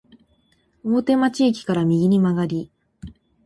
大手町駅から右に曲がり、